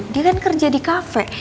dia kan kerja di kafe